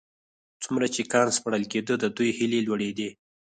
څومره چې کان سپړل کېده د دوی هيلې لوړېدې.